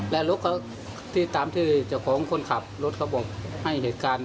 และรถเขาที่ตามที่เจ้าของคนขับรถเขาบอกให้เหตุการณ์